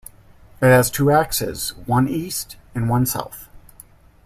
It has two axes, one east and one south.